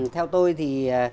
theo tôi thì